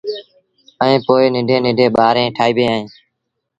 ائيٚݩ پو ننڊيٚن ننڍيٚݩ ٻآريٚݩ ٺآئيٚبيٚن اهيݩ